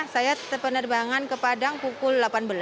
saya penerbangan ke padang pukul delapan belas